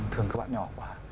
thương các bạn nhỏ quá